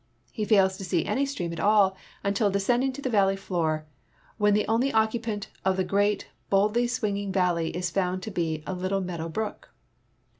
He fails to see any stream at all until descending to the valle}^ floor, when the only occupant of the great, boldly swinging valle}^ is found to be a little meadow brook.